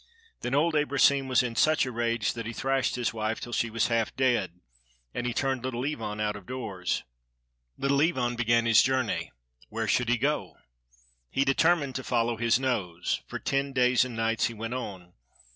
Then old Abrosim was in such a rage that he thrashed his wife till she was half dead, and he turned Little Ivan out of doors. Little Ivan began his journey. Where should he go? He determined to follow his nose. For ten days and nights he went on.